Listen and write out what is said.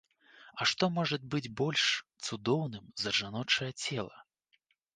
А што можа быць больш цудоўным за жаночае цела?